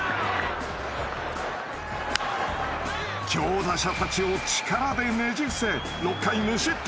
強打者たちを力でねじ伏せ６回無失点。